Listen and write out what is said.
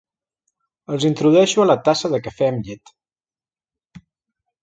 Els introdueixo a la tassa de cafè amb llet.